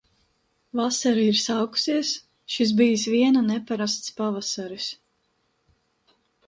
Vasara ir sākusies. Šis bijis viena neparasts pavasaris!